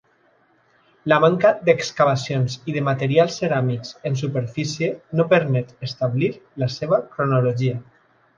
La manca d’excavacions i de materials ceràmics en superfície no permet establir la seva cronologia.